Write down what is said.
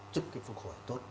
chúc phục hồi tốt